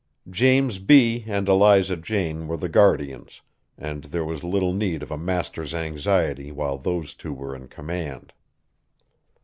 James B. and Eliza Jane were the guardians, and there was little need of a master's anxiety while those two were in command.